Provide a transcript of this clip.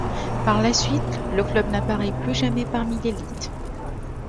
Par la suite, le club n'apparaît plus jamais parmi l'élite.